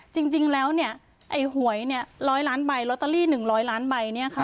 จริงแล้วเนี่ยไอ้หวยรทะลี่ร้อยล้านใบ